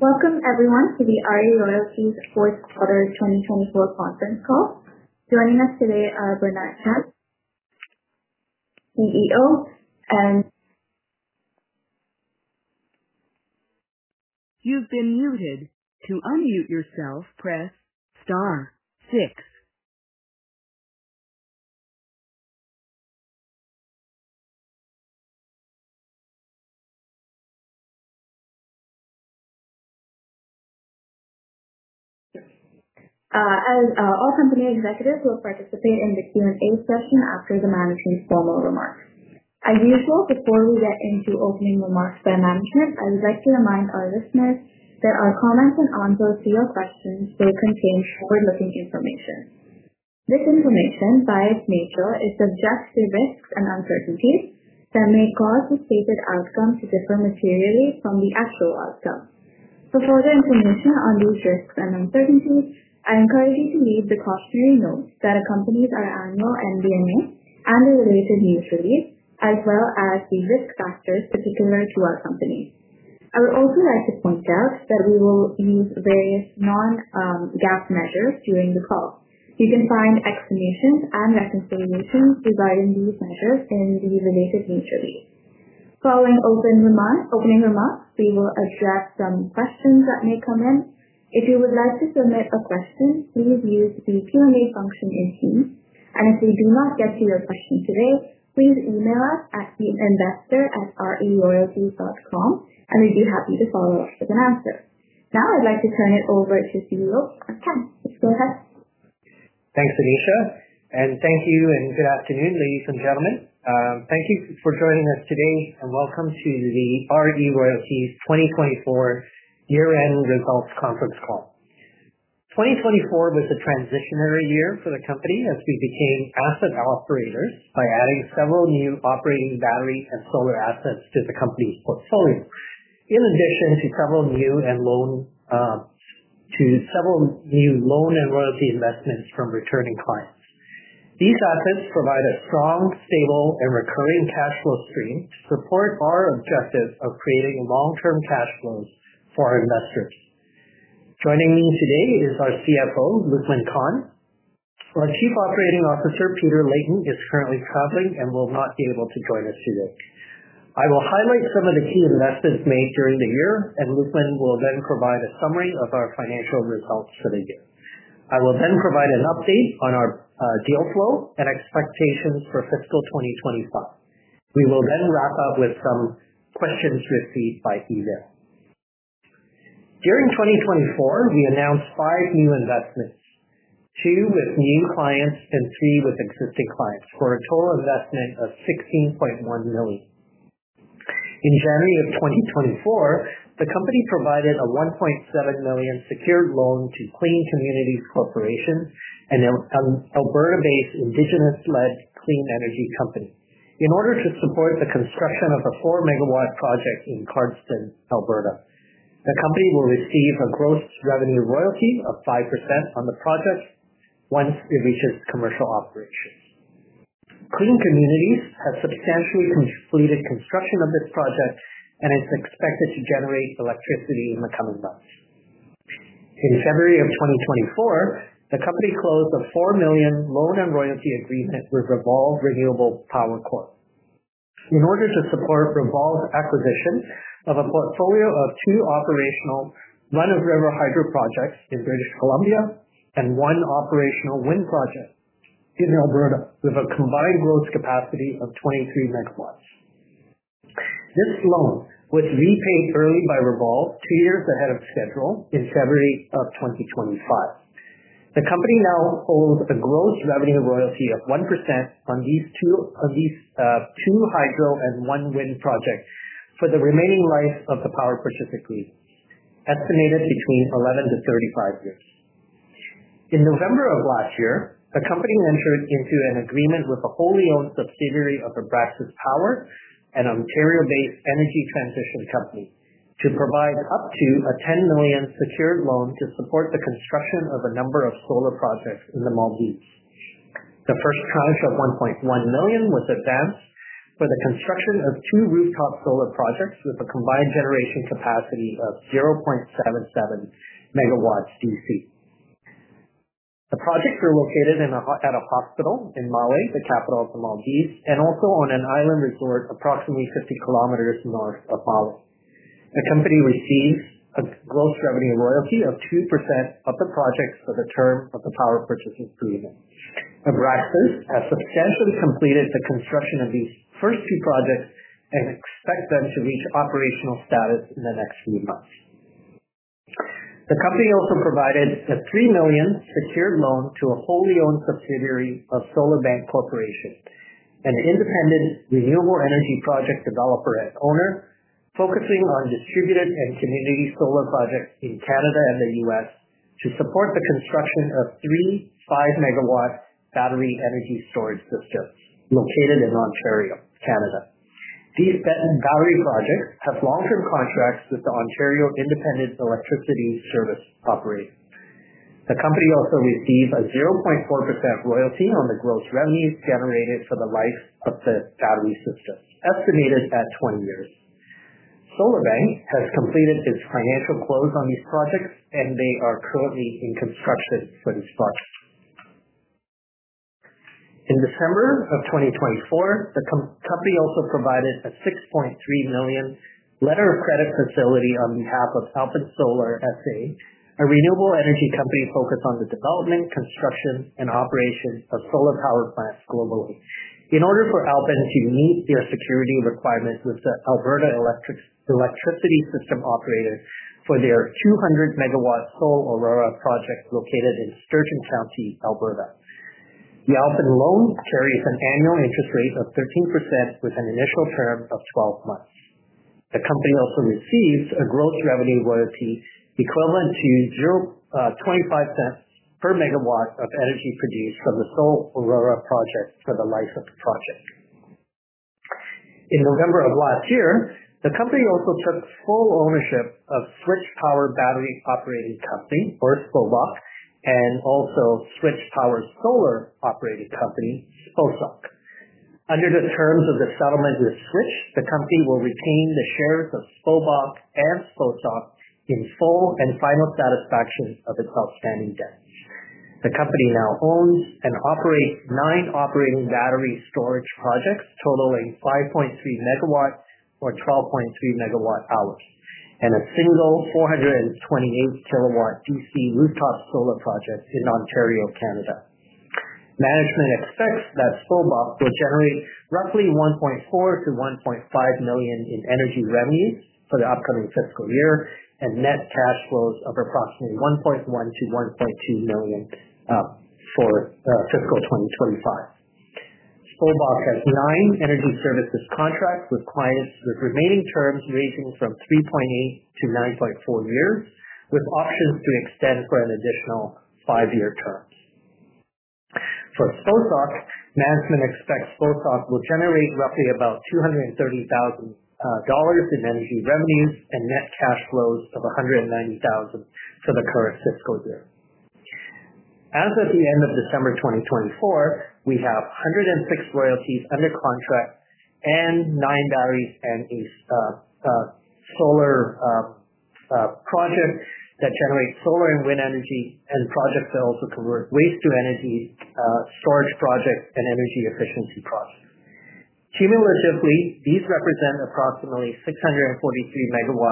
Welcome, everyone, to the RE Royalties fourth quarter 2024 conference call. Joining us today are Bernard Tan, CEO, and. You've been muted. To unmute yourself, press star, six. As all company executives will participate in the Q&A session after the management's formal remarks. As usual, before we get into opening remarks by management, I would like to remind our listeners that our comments and answers to your questions will contain forward-looking information. This information, by its nature, is subject to risks and uncertainties that may cause the stated outcome to differ materially from the actual outcome. For further information on these risks and uncertainties, I encourage you to read the cautionary notes that accompany our annual MD&A and the related news release, as well as the risk factors particular to our company. I would also like to point out that we will use various non-GAAP measures during the call. You can find explanations and reconciliations regarding these measures in the related news release. Following opening remarks, we will address some questions that may come in. If you would like to submit a question, please use the Q&A function in Team. If we do not get to your question today, please email us at teaminvestor@reroyalties.com, and we'd be happy to follow up with an answer. Now, I'd like to turn it over to CEO. Please go ahead. Thanks, Anisha. Thank you, and good afternoon, ladies and gentlemen. Thank you for joining us today, and welcome to the RE Royalties 2024 year-end results conference call. 2024 was a transitionary year for the company as we became asset operators by adding several new operating battery and solar assets to the company's portfolio, in addition to several new loan and royalty investments from returning clients. These assets provide a strong, stable, and recurring cash flow stream to support our objective of creating long-term cash flows for our investors. Joining me today is our CFO, Luqman Khan. Our Chief Operating Officer, Peter Leighton, is currently traveling and will not be able to join us today. I will highlight some of the key investments made during the year, and Luqman will then provide a summary of our financial results for the year. I will then provide an update on our deal flow and expectations for fiscal 2025. We will then wrap up with some questions received by email. During 2024, we announced five new investments: two with new clients and three with existing clients, for a total investment of 16.1 million. In January of 2024, the company provided a 1.7 million secured loan to Clean Communities Corporation, an Alberta-based indigenous-led clean energy company, in order to support the construction of a 4-MW project in Cardston, Alberta. The company will receive a gross revenue royalty of 5% on the project once it reaches commercial operations. Clean Communities has substantially completed construction of this project and is expected to generate electricity in the coming months. In February of 2024, the company closed a 4 million loan and royalty agreement with Revolve Renewable Power. In order to support Revolve's acquisition of a portfolio of two operational run-of-river hydro projects in British Columbia and one operational wind project in Alberta, with a combined gross capacity of 23 MW. This loan was repaid early by Revolve two years ahead of schedule in February of 2025. The company now holds a gross revenue royalty of 1% on these two hydro and one wind project for the remaining life of the power purchase agreement, estimated between 11-35 years. In November of last year, the company entered into an agreement with a wholly owned subsidiary of Abraxas Power, an Ontario-based energy transition company, to provide up to 10 million secured loan to support the construction of a number of solar projects in the Maldives. The first tranche of 1.1 million was advanced for the construction of two rooftop solar projects with a combined generation capacity of 0.77 MW DC. The projects are located at a hospital in Malé, the capital of the Maldives, and also on an island resort approximately 50 km north of Malé. The company receives a gross revenue royalty of 2% of the projects for the term of the power purchase agreement. Abraxas has substantially completed the construction of these first two projects and expects them to reach operational status in the next few months. The company also provided a 3 million secured loan to a wholly owned subsidiary of SolarBank Corporation, an independent renewable energy project developer and owner focusing on distributed and community solar projects in Canada and the U.S. to support the construction of three 5-MW battery energy storage systems located in Ontario, Canada. These battery projects have long-term contracts with the Ontario Independent Electricity Service Operator. The company also received a 0.4% royalty on the gross revenue generated for the life of the battery systems, estimated at 20 years. SolarBank has completed its financial close on these projects, and they are currently in construction for these projects. In December of 2024, the company also provided a 6.3 million letter of credit facility on behalf of Alpine Solar SA, a renewable energy company focused on the development, construction, and operation of solar power plants globally, in order for Alpine to meet their security requirements with the Alberta Electricity System Operator for their 200-MW Sol Aurora project located in Sturgeon County, Alberta. The Alpine loan carries an annual interest rate of 13% with an initial term of 12 months. The company also receives a gross revenue royalty equivalent to 0.25 per megawatt of energy produced from the Sol Aurora project for the life of the project. In November of last year, the company also took full ownership of Switch Power Battery Operating Company, or SPOBOC, and also Switch Power Solar Operating Company, SPOSOC. Under the terms of the settlement with Switch, the company will retain the shares of SPOBOC and SPOSOC in full and final satisfaction of its outstanding debts. The company now owns and operates nine operating battery storage projects totaling 5.3 MW or 12.3 MWh and a single 428-kW DC rooftop solar project in Ontario, Canada. Management expects that SPOBOC will generate roughly 1.4-1.5 million in energy revenues for the upcoming fiscal year and net cash flows of approximately 1.1-1.2 million for fiscal 2025. SPOBOC has nine energy services contracts with clients with remaining terms ranging from 3.8-9.4 years, with options to extend for an additional five-year term. For SPOSOC, management expects SPOSOC will generate roughly about 230,000 dollars in energy revenues and net cash flows of 190,000 for the current fiscal year. As of the end of December 2024, we have 106 royalties under contract and nine batteries and a solar project that generates solar and wind energy, and projects that also convert waste to energy, storage projects, and energy efficiency projects. Cumulatively, these represent approximately 643 MW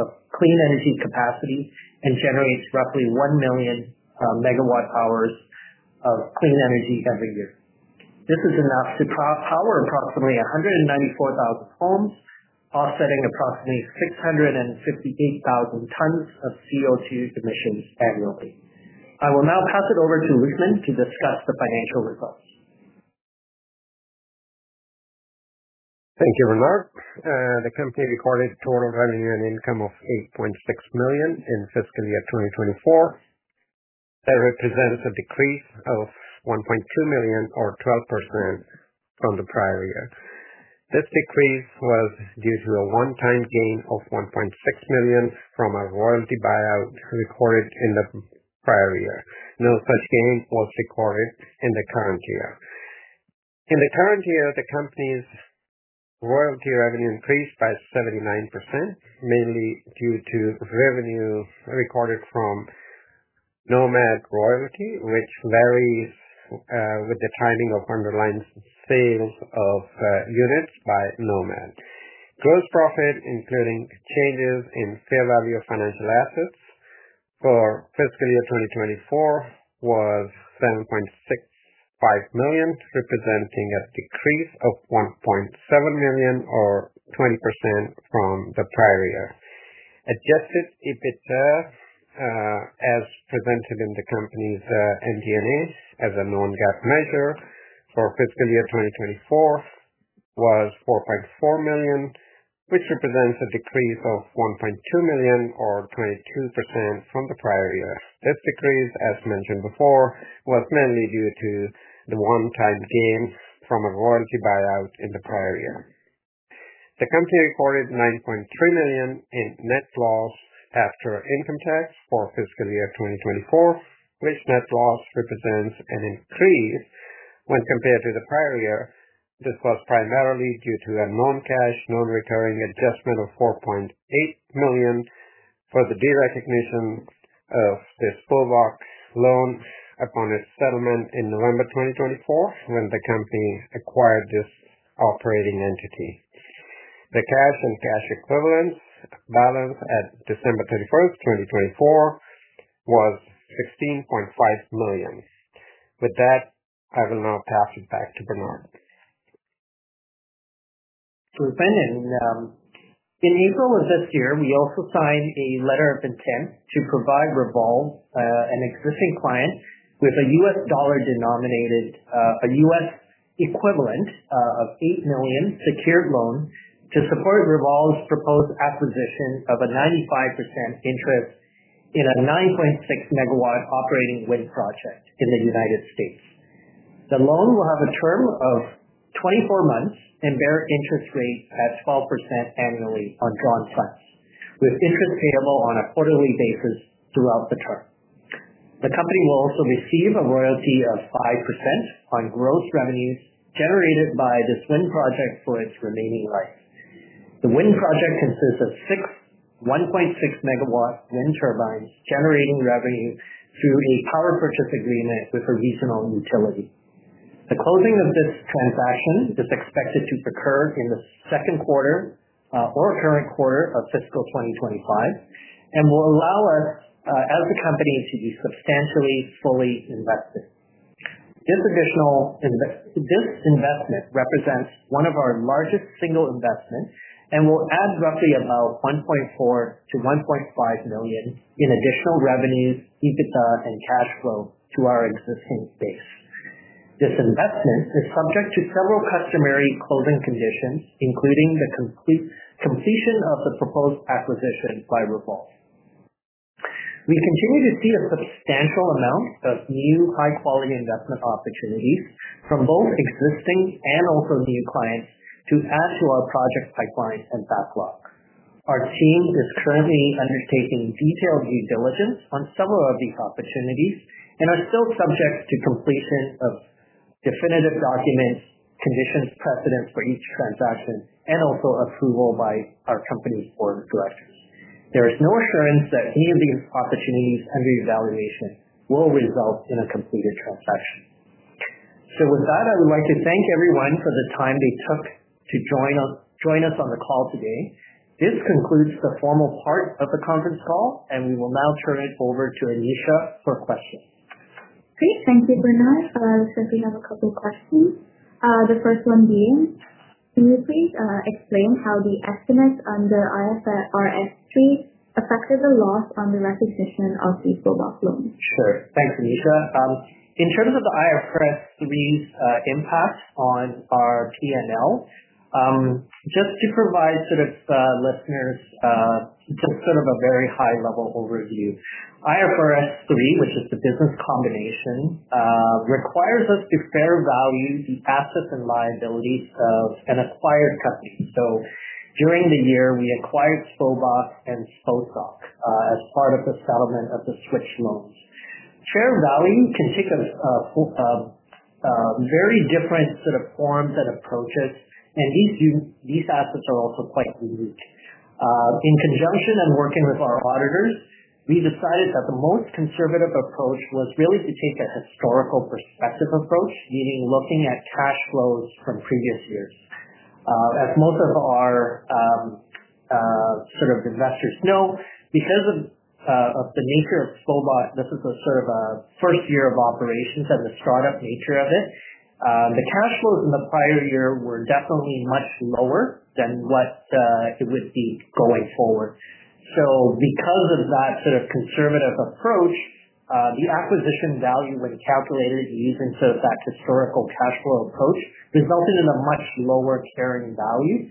of clean energy capacity and generate roughly 1 million MWh of clean energy every year. This is enough to power approximately 194,000 homes, offsetting approximately 658,000 tons of CO2 emissions annually. I will now pass it over to Luqman to discuss the financial results. Thank you, Bernard. The company recorded total revenue and income of 8.6 million in fiscal year 2024. That represents a decrease of 1.2 million, or 12%, from the prior year. This decrease was due to a one-time gain of 1.6 million from a royalty buyout recorded in the prior year. No such gain was recorded in the current year. In the current year, the company's royalty revenue increased by 79%, mainly due to revenue recorded from Nomad Royalty, which varies with the timing of underlying sales of units by Nomad. Gross profit, including changes in fair value of financial assets for fiscal year 2024, was 7.65 million, representing a decrease of 1.7 million, or 20%, from the prior year. Adjusted EBITDA, as presented in the company's MD&A as a non-GAAP measure for fiscal year 2024, was 4.4 million, which represents a decrease of 1.2 million, or 22%, from the prior year. This decrease, as mentioned before, was mainly due to the one-time gain from a royalty buyout in the prior year. The company recorded 9.3 million in net loss after income tax for fiscal year 2024, which net loss represents an increase when compared to the prior year. This was primarily due to a non-cash, non-recurring adjustment of 4.8 million for the derecognition of the SPOBOC loan upon its settlement in November 2024, when the company acquired this operating entity. The cash and cash equivalents balance at December 31st, 2024, was 16.5 million. With that, I will now pass it back to Bernard. Luqman, in April of this year, we also signed a letter of intent to provide Revolve, an existing client, with a U.S. dollar denominated, a U.S. equivalent of 8 million secured loan to support Revolve's proposed acquisition of a 95% interest in a 9.6-MW operating wind project in the United States. The loan will have a term of 24 months and bear interest rate at 12% annually on drawn funds, with interest payable on a quarterly basis throughout the term. The company will also receive a royalty of 5% on gross revenues generated by this wind project for its remaining life. The wind project consists of six 1.6-MW wind turbines generating revenue through a power purchase agreement with a regional utility. The closing of this transaction is expected to occur in the second quarter or current quarter of fiscal 2025 and will allow us, as a company, to be substantially fully invested. This investment represents one of our largest single investments and will add roughly about 1.4-1.5 million in additional revenues, EBITDA, and cash flow to our existing base. This investment is subject to several customary closing conditions, including the completion of the proposed acquisition by Revolve. We continue to see a substantial amount of new high-quality investment opportunities from both existing and also new clients to add to our project pipeline and backlog. Our team is currently undertaking detailed due diligence on several of these opportunities and are still subject to completion of definitive documents, conditions, precedents for each transaction, and also approval by our company's board of directors. There is no assurance that any of these opportunities under evaluation will result in a completed transaction. With that, I would like to thank everyone for the time they took to join us on the call today. This concludes the formal part of the conference call, and we will now turn it over to Anisha for questions. Great. Thank you, Bernard. Looks like we have a couple of questions. The first one being, can you please explain how the estimates under IFRS 3 affected the loss on the recognition of the SPOBOC loan? Sure. Thanks, Anisha. In terms of the IFRS 3's impact on our P&L, just to provide sort of listeners just sort of a very high-level overview, IFRS 3, which is the business combination, requires us to fair value the assets and liabilities of an acquired company. During the year, we acquired SPOBOC and SPOSOC as part of the settlement of the Switch loans. Fair value can take a very different sort of forms and approaches, and these assets are also quite unique. In conjunction and working with our auditors, we decided that the most conservative approach was really to take a historical perspective approach, meaning looking at cash flows from previous years. As most of our sort of investors know, because of the nature of SPOBOC, this is a sort of a first year of operations and the startup nature of it, the cash flows in the prior year were definitely much lower than what it would be going forward. Because of that sort of conservative approach, the acquisition value when calculated using sort of that historical cash flow approach resulted in a much lower carrying value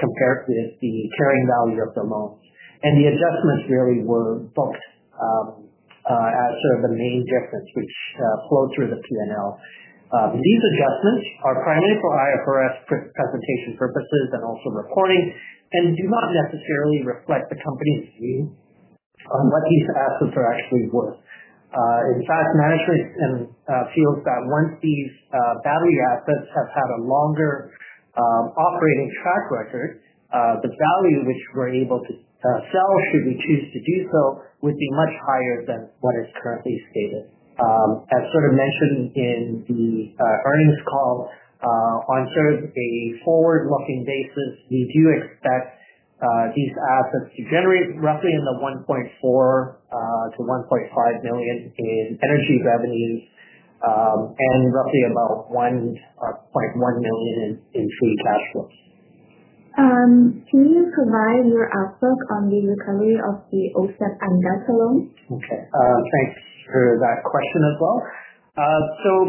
compared with the carrying value of the loans. The adjustments really were booked as sort of the main difference, which flowed through the P&L. These adjustments are primarily for IFRS presentation purposes and also reporting and do not necessarily reflect the company's view on what these assets are actually worth. In fact, management feels that once these battery assets have had a longer operating track record, the value which we're able to sell should we choose to do so would be much higher than what is currently stated. As sort of mentioned in the earnings call, on sort of a forward-looking basis, we do expect these assets to generate roughly in the 1.4 million-1.5 million in energy revenues and roughly about 1.1 million in free cash flows. Can you provide your outlook on the recovery of the OCEP and Delta loans? Okay. Thanks for that question as well.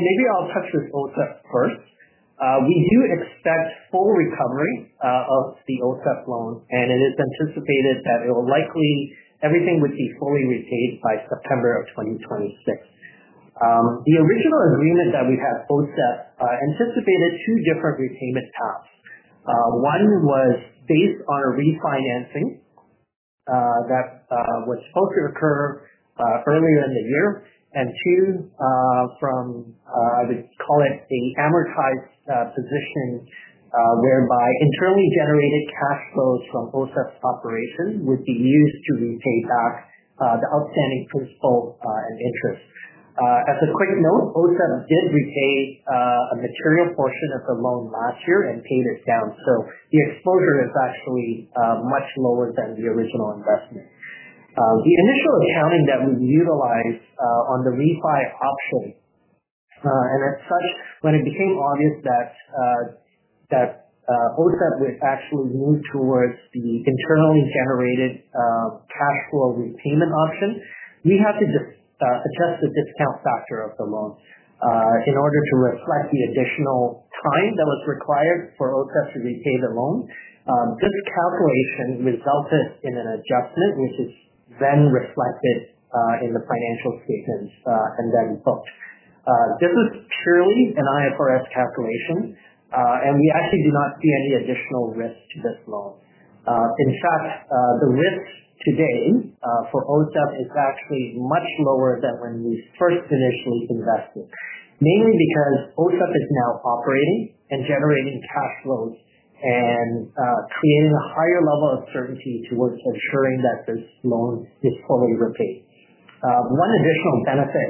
Maybe I'll touch with first. We do expect full recovery of the OCEP loan, and it is anticipated that it will likely everything would be fully repaid by September of 2026. The original agreement that we had OCEP anticipated two different repayment paths. One was based on a refinancing that was supposed to occur earlier in the year, and two from, I would call it, an amortized position whereby internally generated cash flows from OCEP's operation would be used to repay back the outstanding principal and interest. As a quick note, OCEP did repay a material portion of the loan last year and paid it down. The exposure is actually much lower than the original investment. The initial accounting that we utilized on the refi option, and as such, when it became obvious that OCEP would actually move towards the internally generated cash flow repayment option, we had to adjust the discount factor of the loan in order to reflect the additional time that was required for OCEP to repay the loan. This calculation resulted in an adjustment, which is then reflected in the financial statements and then booked. This is purely an IFRS calculation, and we actually do not see any additional risk to this loan. In fact, the risk today for OCEP is actually much lower than when we first initially invested, mainly because OCEP is now operating and generating cash flows and creating a higher level of certainty towards ensuring that this loan is fully repaid. One additional benefit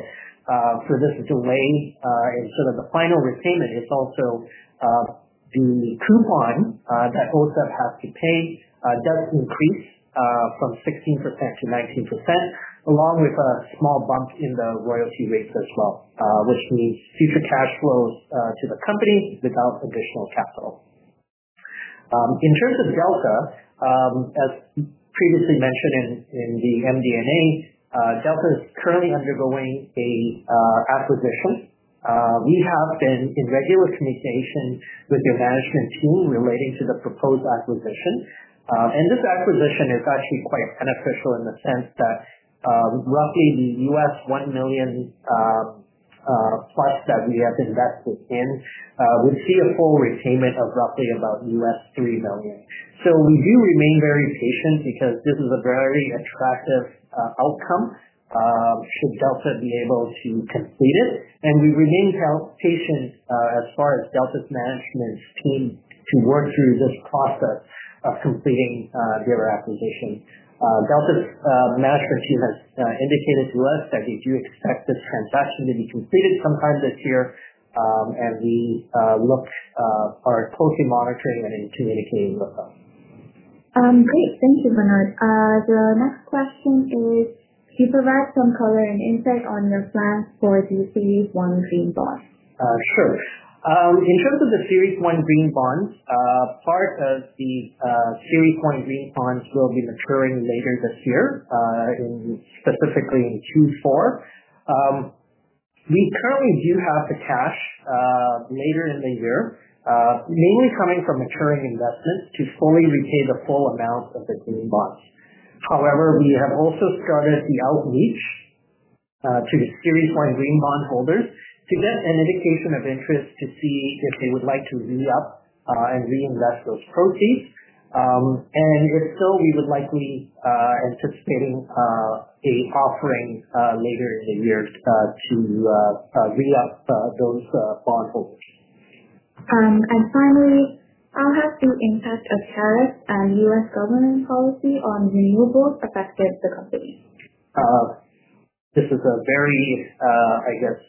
for this delay in sort of the final repayment is also the coupon that OCEP has to pay does increase from 16%-19%, along with a small bump in the royalty rates as well, which means future cash flows to the company without additional capital. In terms of Delta, as previously mentioned in the MD&A, Delta is currently undergoing an acquisition. We have been in regular communication with your management team relating to the proposed acquisition. This acquisition is actually quite beneficial in the sense that roughly the $1 million plus that we have invested in would see a full repayment of roughly about $3 million. We do remain very patient because this is a very attractive outcome should Delta be able to complete it. We remain patient as far as Delta's management team to work through this process of completing their acquisition. Delta's management team has indicated to us that they do expect this transaction to be completed sometime this year, and we are closely monitoring and communicating with them. Great. Thank you, Bernard. The next question is, could you provide some color and insight on your plan for the Series 1 Green Bond? Sure. In terms of the Series 1 Green Bonds, part of the Series 1 Green Bonds will be maturing later this year, specifically in Q4. We currently do have the cash later in the year, mainly coming from maturing investments to fully repay the full amount of the Green Bonds. However, we have also started the outreach to the Series 1 Green Bond holders to get an indication of interest to see if they would like to re-up and reinvest those proceeds. If so, we would likely be anticipating an offering later in the year to re-up those bondholders. Finally, how has the impact of tariffs and U.S. government policy on renewables affected the company? This is a very, I guess,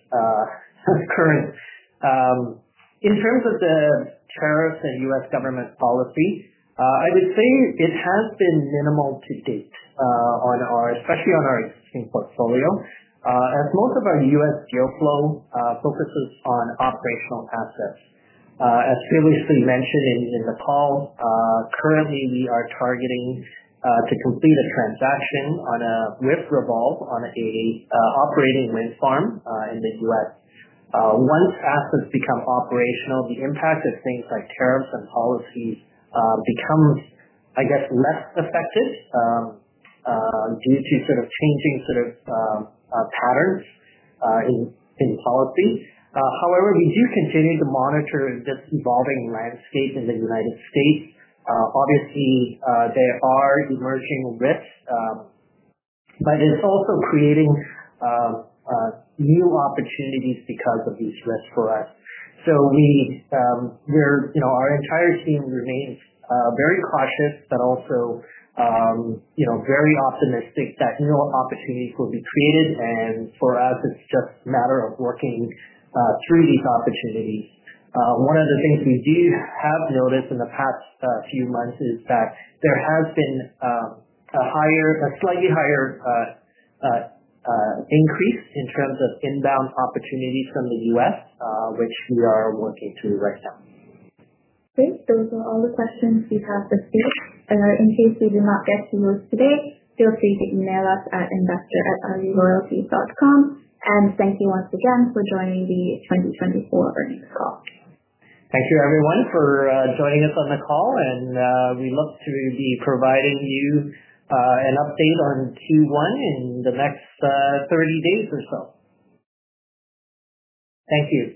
current. In terms of the tariffs and U.S. government policy, I would say it has been minimal to date, especially on our existing portfolio, as most of our U.S. geoflow focuses on operational assets. As previously mentioned in the call, currently we are targeting to complete a transaction with Revolve on an operating wind farm in the U.S. Once assets become operational, the impact of things like tariffs and policies becomes, I guess, less effective due to sort of changing sort of patterns in policy. However, we do continue to monitor this evolving landscape in the United States. Obviously, there are emerging risks, but it's also creating new opportunities because of these risks for us. Our entire team remains very cautious but also very optimistic that new opportunities will be created. For us, it's just a matter of working through these opportunities. One of the things we do have noticed in the past few months is that there has been a slightly higher increase in terms of inbound opportunities from the U.S., which we are working through right now. Great. Those are all the questions we have for today. In case we do not get to yours today, feel free to email us at investor@reroyalties.com. Thank you once again for joining the 2024 earnings call. Thank you, everyone, for joining us on the call. We look to be providing you an update on Q1 in the next 30 days or so. Thank you.